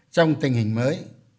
trong tình hình mới